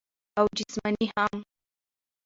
او جسماني هم -